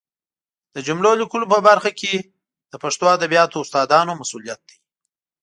د جملو لیکلو په برخه کې د پښتو ادبیاتو استادانو مسؤلیت دی